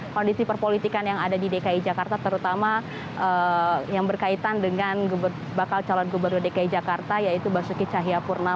kondisi perpolitikan yang ada di dki jakarta terutama yang berkaitan dengan bakal calon gubernur dki jakarta yaitu basuki cahayapurnama